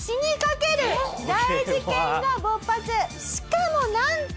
しかもなんと。